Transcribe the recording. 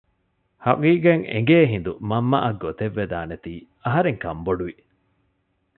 ހަޤީޤަތް އެނގޭ ހިނދު މަންމައަށް ގޮތެއްވެދާނެތީ އަހަރެން ކަންބޮޑުވި